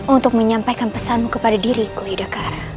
untuk menyampaikan pesanmu kepada diriku yudhakara